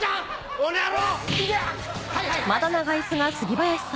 この野郎！